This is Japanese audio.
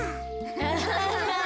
アハハハ。